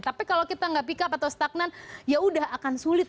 tapi kalau kita nggak pick up atau stagnan ya udah akan sulit